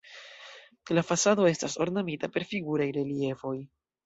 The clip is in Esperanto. La fasado estas ornamita per figuraj reliefoj.